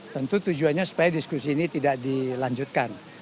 tentu tujuannya supaya diskusi ini tidak dilanjutkan